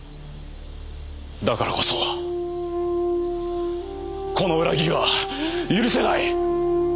だからこそこの裏切りは許せない！